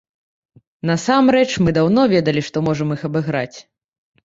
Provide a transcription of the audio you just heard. Насамрэч мы даўно ведалі, што можам іх абыграць.